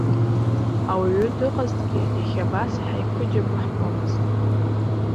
Ауаҩы дыҟазҭгьы иахьа абас ҳаиқәыџьабо ҳтәомызт.